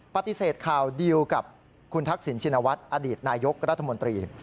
ปฏิเสธข่าวเดียวกับคุณทักษิณชินวัฒน์อดีตนายกรัฐมนตรี